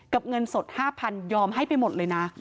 เงินสด๕๐๐ยอมให้ไปหมดเลยนะ